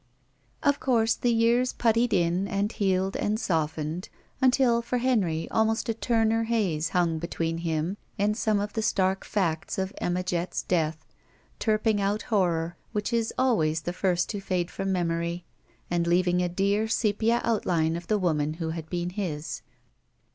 Of course the years puttied in and healed and softened, until for Henry almost a Turner haze hung between him and some of the stark facts of Emma Jett's death, turping out horror, which is always the jfirst to fade from memory, and leaving a dear sepia outline of the woman who had been his.